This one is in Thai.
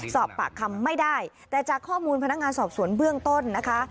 สอบปากคำไม่ได้แต่จากข้อมูลพนักงานสอบสวนเบื้องต้นนะคะ